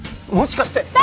もしかして。